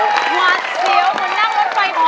วัดเสียวคุณนั่งรถไฟออก